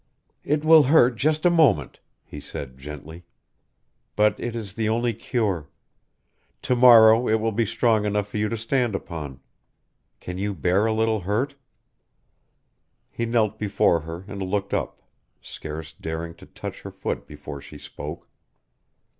"It will hurt just a moment," he said, gently. "But it is the only cure. To morrow it will be strong enough for you to stand upon. Can you bear a little hurt?" He knelt before her and looked up, scarce daring to touch her foot before she spoke.